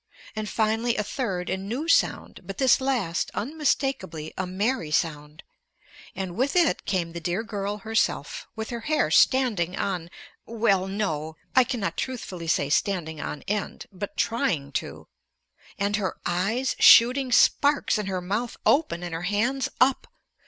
And finally a third and new sound, but this last unmistakably a Mary sound. And with it came the dear girl herself, with her hair standing on well, no, I cannot truthfully say standing on end, but trying to. And her eyes shooting sparks and her mouth open and her hands up.